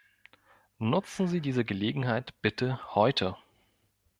Nutzen Sie diese Gelegenheit bitte heute!